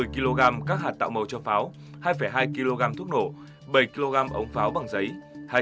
một mươi kg các hạt tạo màu cho pháo hai hai kg thuốc nổ bảy kg ống pháo bằng giấy